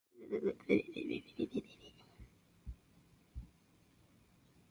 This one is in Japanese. ふぇ ｒｖｆｒｖｊ きえ ｖ へ ｒｊｃｂ れ ｌｈｃ れ ｖ け ｒｊ せ ｒｋｖ じぇ ｓ